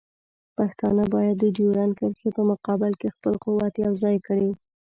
پښتانه باید د ډیورنډ کرښې په مقابل کې خپل قوت یوځای کړي.